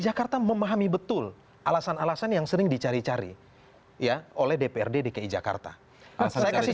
jakarta memahami betul alasan alasan yang sering dicari cari ya oleh dprd dki jakarta alasannya kasih